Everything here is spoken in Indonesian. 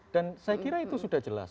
dan saya kira itu sudah jelas